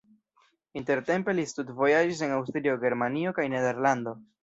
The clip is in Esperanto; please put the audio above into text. Intertempe li studvojaĝis en Aŭstrio, Germanio kaj Nederlando.